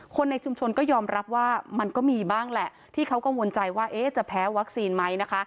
ในชุมชนก็ยอมรับว่ามันก็มีบ้างแหละที่เขากังวลใจว่าจะแพ้วัคซีนไหมนะคะ